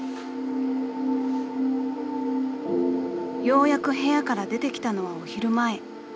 ［ようやく部屋から出てきたのはお昼前］